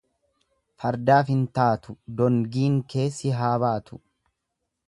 Fardaaf hin taatu dongiin kee si haa baatu.